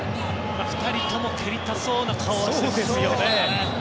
２人とも蹴りたそうな顔はしてますよね。